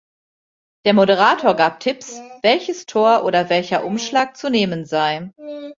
Der Moderator gab Tipps, welches Tor oder welcher Umschlag zu nehmen sei.